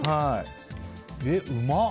え、うまっ。